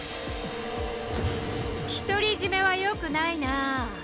独り占めはよくないなぁ。